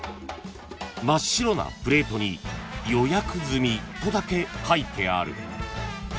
［真っ白なプレートに「予約済」とだけ書いてある］